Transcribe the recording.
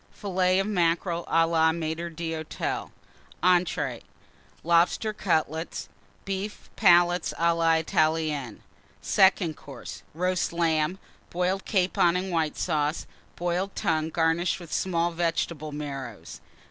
Fillets of Mackerel à la Maître d'Hôtel. ENTREES. Lobster Cutlets. Beef Palates à la Italienne. SECOND COURSE. Roast Lamb. Boiled Capon and White Sauce. Boiled Tongue, garnished with small Vegetable Marrows.